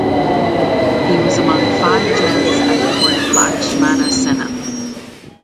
He was among five gems at the court of Lakshmana Sena.